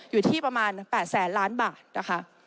อยู่ที่ประมาณ๘แสนล้านบาทนะคะ